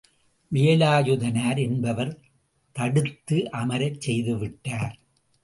வேலாயுதனார் என்பவர் தடுத்து அமரச் செய்துவிட்டார்.